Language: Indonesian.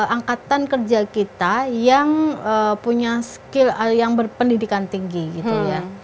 angkatan kerja kita yang punya skill yang berpendidikan tinggi gitu ya